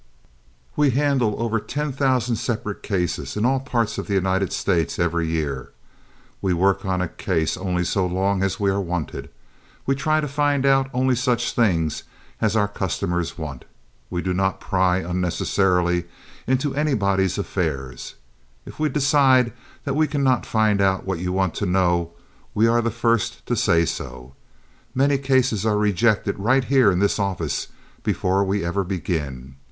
We handle over ten thousand separate cases in all parts of the United States every year. We work on a case only so long as we are wanted. We try to find out only such things as our customers want. We do not pry unnecessarily into anybody's affairs. If we decide that we cannot find out what you want to know, we are the first to say so. Many cases are rejected right here in this office before we ever begin.